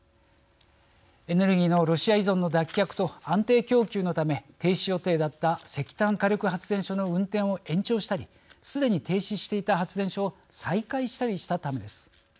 エネルギーのロシア依存の脱却と安定供給のため停止予定だった石炭火力発電所の運転を延長したりすでに停止していた発電所を再開したりしたためです。